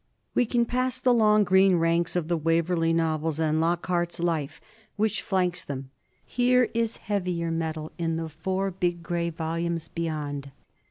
We can pass the long green ranks of the Waverley Novels and Lockhart's "Life" which flanks them. Here is heavier metal in the four big grey volumes beyond.